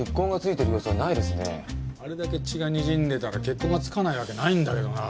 あれだけ血がにじんでたら血痕が付かないわけないんだけどな。